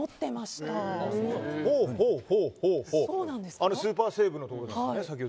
あのスーパーセーブのところですよね。